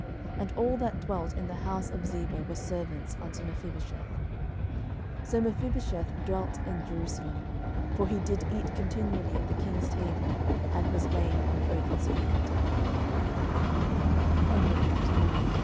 And all that dwelt in the house of Ziba were servants unto Mephibosheth. 10:009:013 So Mephibosheth dwelt in Jerusalem: for he did eat continually at the king's table; and was lame on both his fee